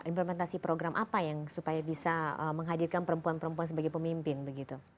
implementasi program apa yang supaya bisa menghadirkan perempuan perempuan sebagai pemimpin begitu